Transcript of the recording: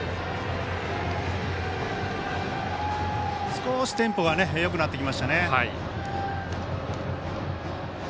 少しテンポがよくなってきましたね。